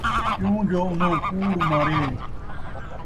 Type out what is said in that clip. کیوں جو اُنھاں کوڑ ماریئے ۔